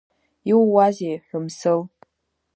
Ииуазеи Ҳәымсыл?